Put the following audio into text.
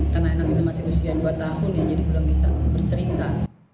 karena anak itu masih usia dua tahun ya jadi belum bisa bercerita